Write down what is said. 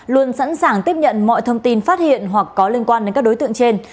luôn sẵn sàng tiếp nhận mọi thông tin phát hiện hoặc có liên quan đến các đối tượng trên